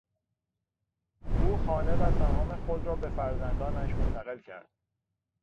او خانه و سهام خود را به فرزندانش منتقل کرد.